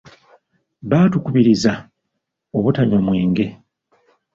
Baatukubiriza obutanywa mwenge.